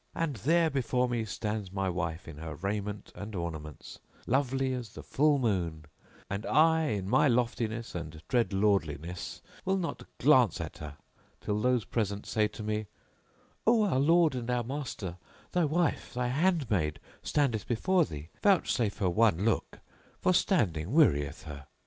And there before me stands my wife in her raiment and ornaments, lovely as the full moon; and I, in my loftiness and dread lordliness,[FN#664] will not glance at her till those present say to me, 'O our lord and our master, thy wife, thy handmaid, standeth before thee; vouchsafe her one look, for standing wearieth her.'